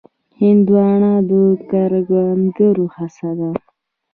هندوانه د کروندګرو هڅه ده.